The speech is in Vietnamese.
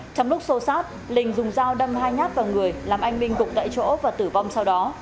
trong lúc xô sát lình dùng dao đâm hai nhát vào người làm anh minh cục tại chỗ và tử vong sau đó